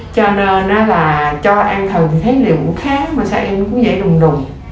cho nên đó là cho an thần thì thấy liệu cũng khá mà sao em nó cũng dậy đùm đùm